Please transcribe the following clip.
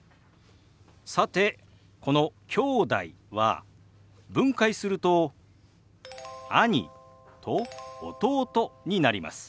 さてこの「きょうだい」は分解すると「兄」と「弟」になります。